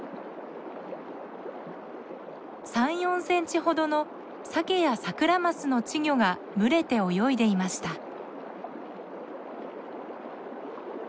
３４センチほどのサケやサクラマスの稚魚が群れて泳いでいました。